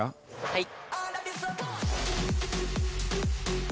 はい。